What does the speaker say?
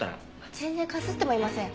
全然かすってもいません。